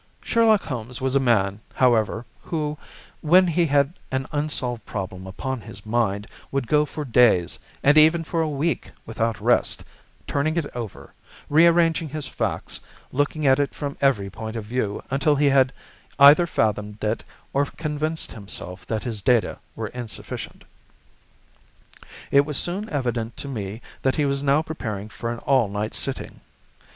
Sherlock Holmes was a man, however, who, when he had an unsolved problem upon his mind, would go for days, and even for a week, without rest, turning it over, rearranging his facts, looking at it from every point of view until he had either fathomed it or convinced himself that his data were insufficient. It was soon evident to me that he was now preparing for an all night sitting.